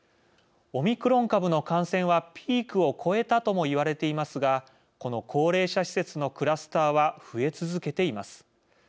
オミクロン株の感染はピークを越えたともいわれていますがこの高齢者施設のクラスターは増え続けています。